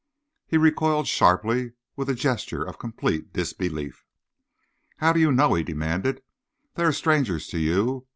He recoiled sharply, with a gesture of complete disbelief. "How do you know?" he demanded. "They are strangers to you.